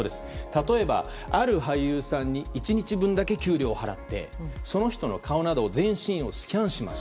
例えば、ある俳優さんに１日分だけ給料を払ってその人の顔など全身をスキャンします。